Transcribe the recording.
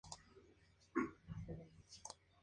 Por la cabeza del testamento se conoce su patria.